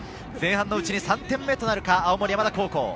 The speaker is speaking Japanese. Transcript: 前半のうちに３点目となるか、青森山田高校。